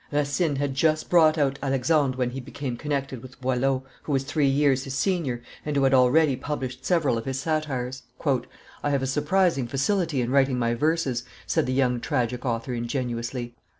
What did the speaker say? Racine had just brought out Alexandre when he became connected with Boileau, who was three years his senior, and who had already published several of his satires. "I have a surprising facility in writing my verses," said the young tragic author ingenuously.